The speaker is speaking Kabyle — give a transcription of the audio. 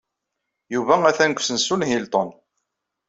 Yuba atan deg usensu n Hilton.